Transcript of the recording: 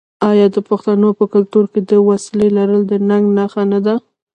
آیا د پښتنو په کلتور کې د وسلې لرل د ننګ نښه نه ده؟